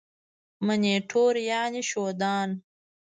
منیټور یعني ښودان.